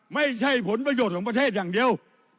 ไม่ใช่ผลประโยชน์ของประเทศอย่างเดียว